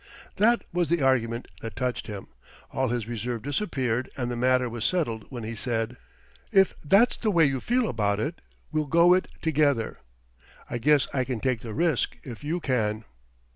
That was the argument that touched him. All his reserve disappeared and the matter was settled when he said: "If that's the way you feel about it, we'll go it together. I guess I can take the risk if you can."